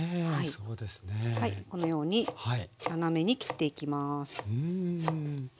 このように斜めに切っていきます。